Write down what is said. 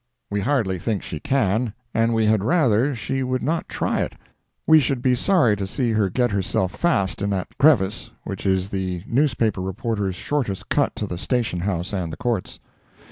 We hardly think she can, and we had rather she would not try it; we should be sorry to see her get herself fast in that crevice, which is the newspaper reporter's shortest cut to the station house and the courts.